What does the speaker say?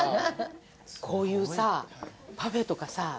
こういうさパフェとかさ